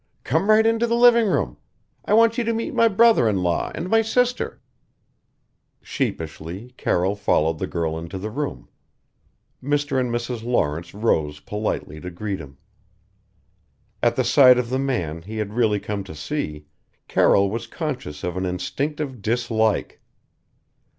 Come right into the living room I want you to meet my brother in law and my sister " Sheepishly, Carroll followed the girl into the room. Mr. and Mrs. Lawrence rose politely to greet him. At the sight of the man he had really come to see, Carroll was conscious of an instinctive dislike.